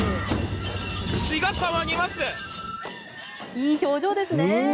いい表情ですね。